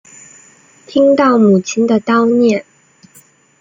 听到母亲的叨念